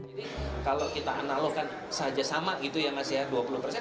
kalau kita analogkan saja sama yang masih dua puluh persen